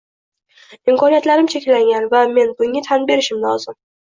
imkoniyatlarim cheklangan va men bunga tan berishim lozim».